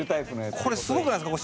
これすごくないですか？